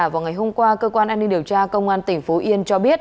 vào ngày hôm qua cơ quan an ninh điều tra công an tp yên cho biết